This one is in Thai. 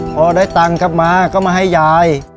พอได้ตังค์กลับมาก็มาให้ยาย